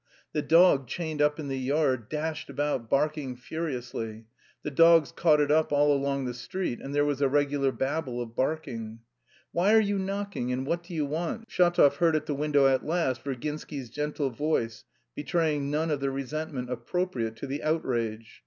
The dog chained up in the yard dashed about barking furiously. The dogs caught it up all along the street, and there was a regular babel of barking. "Why are you knocking and what do you want?" Shatov heard at the window at last Virginsky's gentle voice, betraying none of the resentment appropriate to the "outrage."